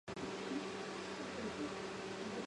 学校多个行政办公室也位于此处。